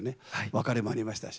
別れもありましたし。